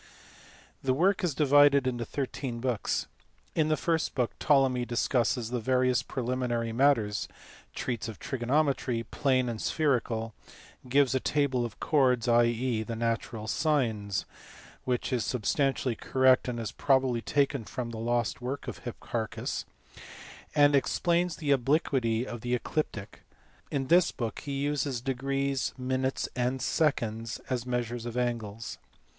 The work is divided into thirteen books. In the first book Ptolemy discusses various preliminary matters; treats of trigonometry, plane and spherical ; gives a table of chords, i.e. of natural sines (which is substantially correct and is probably taken from the lost work of Hipparchus) ; and explains the obliquity of the ecliptic ; in this book he uses degrees, minutes, and seconds as measures of angles.